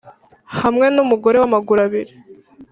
hamwe numugore wamaguru abiri